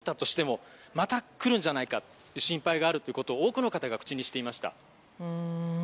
街からロシア軍が去ったとしてもまた来るんじゃないかという心配があるということを多くの方が口にしていました。